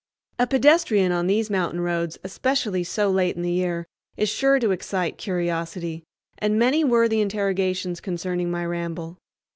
A pedestrian on these mountain roads, especially so late in the year, is sure to excite curiosity, and many were the interrogations concerning my ramble.